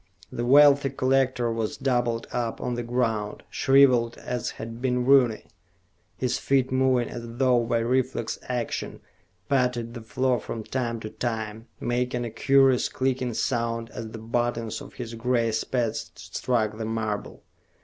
The wealthy collector was doubled up on the ground, shrivelled as had been Rooney. His feet, moving as though by reflex action, patted the floor from time to time, making a curious clicking sound as the buttons of his gray spats struck the marble.